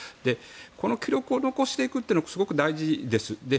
この記録を残していくのはすごく大事です。